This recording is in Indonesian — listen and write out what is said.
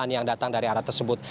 yang datang dari arah tersebut